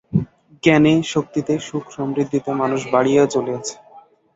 জ্ঞানে, শক্তিতে, সুখ-সমৃদ্ধিতে মানুষ বাড়িয়াই চলিয়াছে।